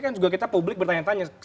kan juga kita publik bertanya tanya